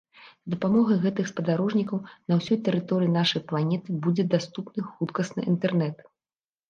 З дапамогай гэтых спадарожнікаў на ўсёй тэрыторыі нашай планеты будзе даступны хуткасны інтэрнэт.